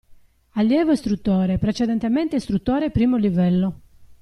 Allievo istruttore, precedentemente Istruttore I° livello.